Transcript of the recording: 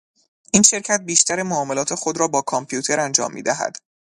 این شرکت بیشتر معاملات خود را با کامپیوتر انجام میدهد.